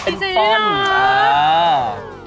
โอ้ยจริงหรอ